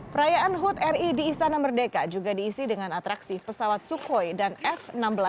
perayaan hud ri di istana merdeka juga diisi dengan atraksi pesawat sukhoi dan f enam belas